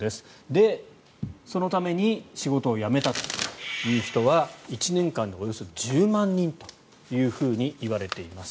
で、そのために仕事を辞めたという人は１年間でおよそ１０万人というふうにいわれています。